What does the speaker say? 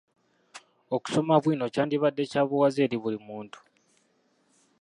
Okusoma bwino kyandibadde kya buwaze eri buli muntu.